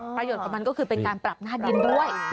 ประโยชน์ของมันก็คือเป็นการปรับหน้าดินด้วย